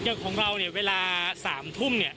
อย่างของเราเวลา๓ทุ่ม